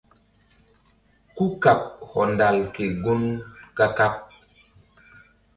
Kúkaɓ hɔndal ke gun ka-kaɓ.